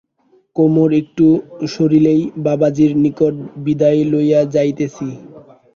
কোমর একটু সারিলেই বাবাজীর নিকট বিদায় লইয়া যাইতেছি।